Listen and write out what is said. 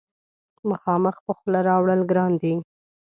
مخامخ په خوله راوړل ګران دي.